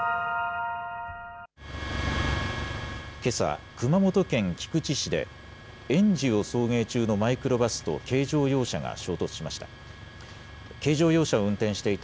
けさ、熊本県菊池市で、園児を送迎中のマイクロバスと軽乗用車が衝突しました。